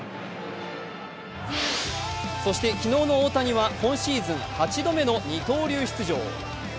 そして昨日の大谷は今シーズン８度目の二刀流出場。